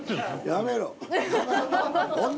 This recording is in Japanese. やめろ。